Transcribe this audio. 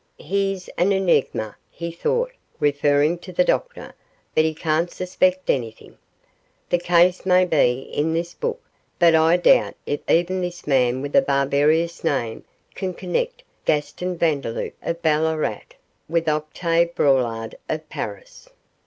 'He's an enigma,' he thought, referring to the doctor; 'but he can't suspect anything. The case may be in this book, but I doubt if even this man with the barbarous name can connect Gaston Vandeloup, of Ballarat, with Octave Braulard, of Paris.